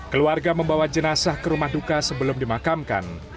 keluarga membawa jenazah ke rumah duka sebelum dimakamkan